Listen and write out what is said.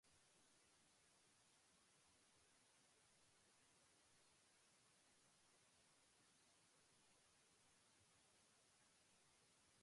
Alternativamente vengono effettuate due tratte giornaliere via traghetto da Maui.